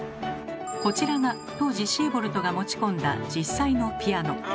こちらが当時シーボルトが持ち込んだ実際のピアノ。